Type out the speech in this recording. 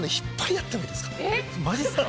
マジっすか？